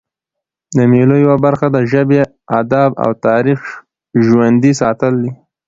د مېلو یوه برخه د ژبي، ادب او تاریخ ژوندي ساتل دي.